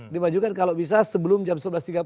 dimajukan kalau bisa sebelum jam sebelas tiga puluh